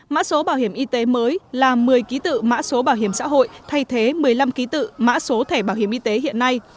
mẫu số bảo hiểm y tế mới là một mươi ký tự mã số bảo hiểm xã hội thay thế một mươi năm ký tự mã số thẻ bảo hiểm y tế hiện nay